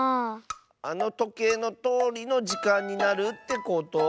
あのとけいのとおりのじかんになるってこと？